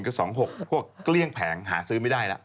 ก็๒๖พวกเกลี้ยงแผงหาซื้อไม่ได้แล้ว